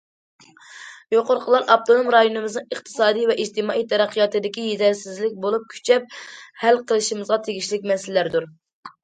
يۇقىرىقىلار ئاپتونوم رايونىمىزنىڭ ئىقتىسادىي ۋە ئىجتىمائىي تەرەققىياتىدىكى يېتەرسىزلىك بولۇپ، كۈچەپ ھەل قىلىشىمىزغا تېگىشلىك مەسىلىلەردۇر.